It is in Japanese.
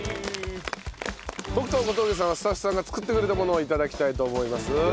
僕と小峠さんはスタッフさんが作ってくれたものを頂きたいと思います。